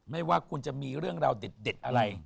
ไม่ว่าคุณจะมีเรื่องราวเด็ดอะไร